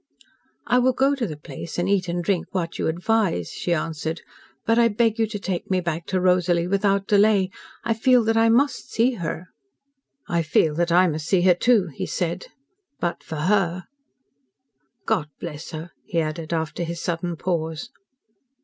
"I will go to the place, and eat and drink what you advise," she answered. "But I beg you to take me back to Rosalie without delay. I feel that I must see her." "I feel that I must see her, too," he said. "But for her God bless her!" he added, after his sudden pause.